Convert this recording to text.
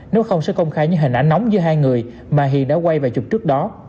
nếu không sẽ công khai những hình ảnh nóng giữa hai người mà hiện đã quay về chụp trước đó